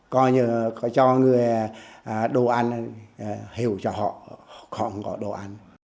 coi như có cho người đồ ăn hiểu cho họ họ không có đồ ăn